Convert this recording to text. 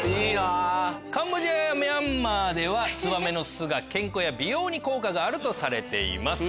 カンボジアやミャンマーではつばめの巣が健康や美容に効果があるとされています。